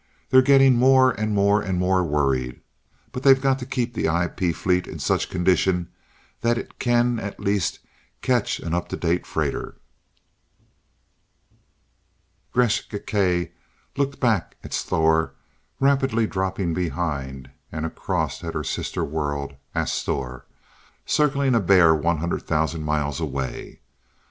"They're getting more and more and more worried but they've got to keep the IP fleet in such condition that it can at least catch an up to date freighter." Gresth Gkae looked back at Sthor rapidly dropping behind, and across at her sister world, Asthor, circling a bare 100,000 miles away.